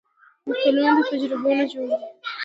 متلونه د تجربو نچوړ دی